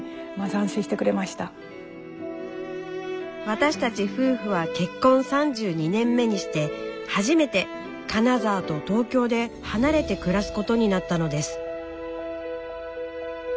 私たち夫婦は結婚３２年目にして初めて金沢と東京で離れて暮らすことになったのです。